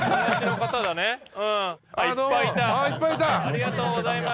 ありがとうございます。